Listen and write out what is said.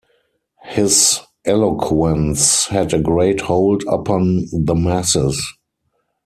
His eloquence had a great hold upon the masses.